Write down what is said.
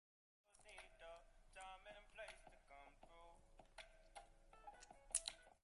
Boshlari go‘dak boshlaridayin maydagina bo‘ldi.